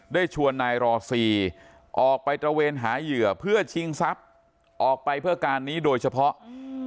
ได้ชวนนายรอซีออกไปตระเวนหาเหยื่อเพื่อชิงทรัพย์ออกไปเพื่อการนี้โดยเฉพาะอืม